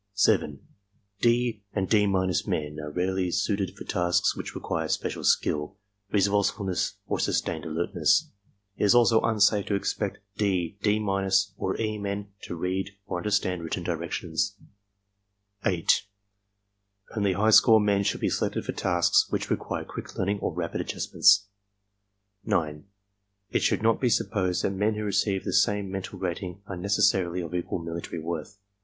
7. "D'* and "D —" men are rarely suited for tasks which require special skill, resourcefulness or sustained alertness. It is also unsafe to expect " D," "D— '' or "E" men to read or un derstand written directions. 8. Only high score men should be selected for tasks which require quick learning or rapid adjustments. 9. It should not be supposed that men who receive the same mental rating are necessarily of equal military worth.